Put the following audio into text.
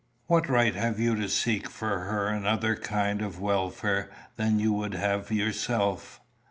What right have you to seek for her another kind of welfare than you would have yourself?